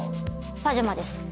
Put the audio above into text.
パジャマです。